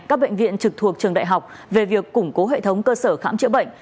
các bệnh viện trực thuộc trường đại học về việc củng cố hệ thống cơ sở khám chữa bệnh